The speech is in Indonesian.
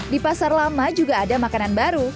di pasar lama juga ada makanan baru